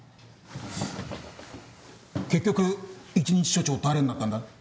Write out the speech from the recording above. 結局１日署長誰になったんだ？